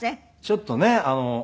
ちょっとね